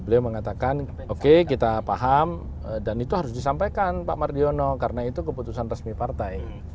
beliau mengatakan oke kita paham dan itu harus disampaikan pak mardiono karena itu keputusan resmi partai